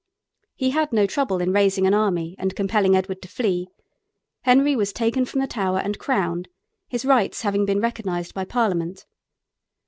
He had no trouble in raising an army and compelling Edward to flee. Henry was taken from the Tower and crowned, his rights having been recognized by Parliament.